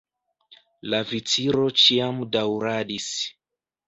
La viciro ĉiam daŭradis.